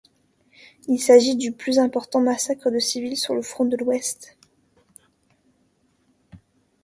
Il s'agit du plus important massacre de civils sur le front de l'Ouest.